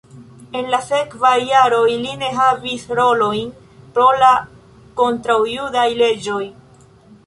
En la sekvaj jaroj li ne havis rolojn pro la kontraŭjudaj leĝoj.